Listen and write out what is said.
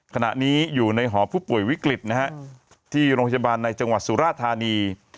ขณะนี้อยู่ในหอผู้ป่วยวิกฤตนะฮะที่โรงพยาบาลในจังหวัดสุราธานี